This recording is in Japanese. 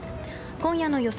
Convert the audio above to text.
今夜の予想